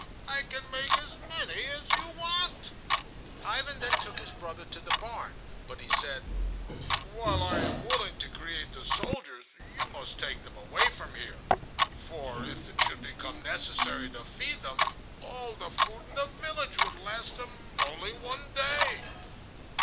I can make as many as you want." Ivan then took his brother to the barn, but he said: "While I am willing to create the soldiers, you must take them away from here; for if it should become necessary to feed them, all the food in the village would last them only one day."